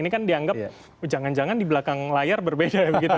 ini kan dianggap jangan jangan di belakang layar berbeda begitu